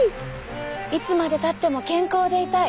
いつまでたっても健康でいたい。